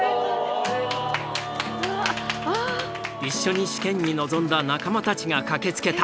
一緒に試験に臨んだ仲間たちが駆けつけた。